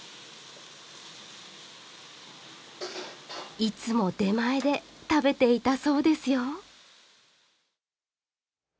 いつも出前で食べていたそうですよ。